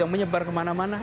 yang menyebar kemana mana